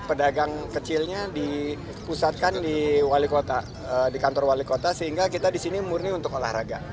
pedagang kecilnya di pusatkan di wali kota di kantor wali kota sehingga kita disini murni untuk olahraga